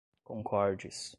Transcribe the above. concordes